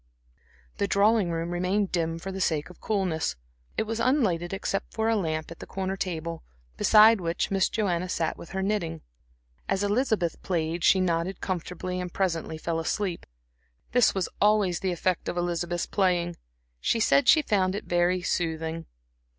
The drawing room remained dim for the sake of coolness; it was unlighted except for a lamp at a corner table, beside which Miss Joanna sat with her knitting. As Elizabeth played she nodded comfortably and presently fell asleep. This was always the effect of Elizabeth's playing; she said she found it very soothing.